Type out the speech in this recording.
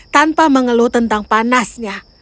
tanpa mengeluh tentang panasnya